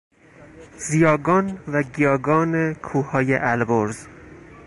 زیاگان و گیاگان کوههای البرز